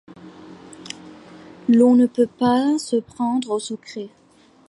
L’on ne peut pas se pendre au secret !